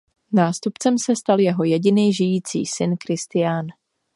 Nástupcem se stal jeho jediný žijící syn Kristián.